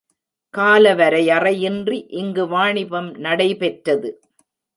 கால வரையறை இன்றி இங்கு வாணிபம் நடைபெற்றது.